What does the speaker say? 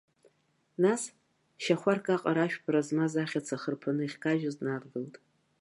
Нас, шьахәарк аҟара ашәпара змаз ахьаца хырԥаны иахькажьыз днадгылт.